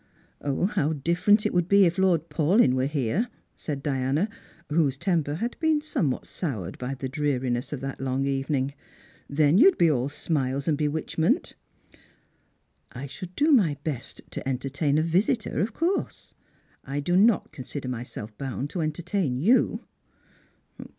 " iicw different it would be if Lord Paulyn were here !" said Diana, ryhose temper had been somewhat soured by the dreari ness of that long evening ;" then you would be all smiles and bewitc'.iment." *' I should do my best to entertain a visitor, of course. I do Bict consider myself bound to entertain you."